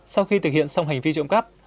sau khi thực hiện xong hành vi trộm cắp